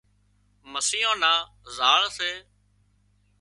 مسيان نا زاۯ سي